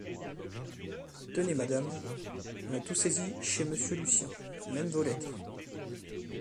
Tenez, madame, on a tout saisi chez monsieur Lucien, même vos lettres...